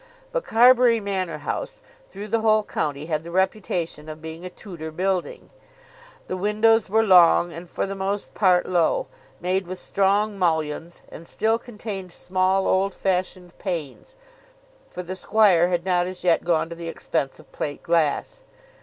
But Carbury Manor House, through the whole county, had the reputation of being a Tudor building. The windows were long, and for the most part low, made with strong mullions, and still contained small, old fashioned panes; for the squire had not as yet gone to the expense of plate glass.